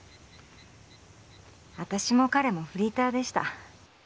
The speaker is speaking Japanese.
私も彼もフリーターでした。